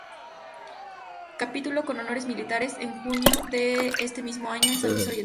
Capituló con honores militares en junio de ese mismo año, en San Luis, Oriente.